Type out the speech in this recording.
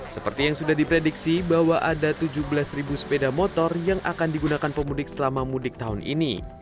seperti yang sudah diprediksi bahwa ada tujuh belas sepeda motor yang akan digunakan pemudik selama mudik tahun ini